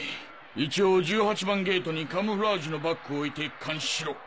一応１８番ゲートにカムフラージュのバッグを置いて監視しろ。